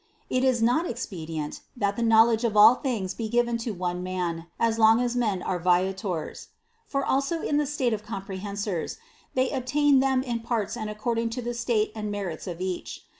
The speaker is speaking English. It is not ex pedient, that the knowledge of all things be given to one man, as long as men are viators. For also in the state of comprehensors, they obtain them in parts and according to the state and the merits of each.